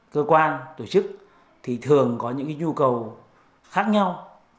cơ quan tổ chức thì thường có những nhu cầu khác nhau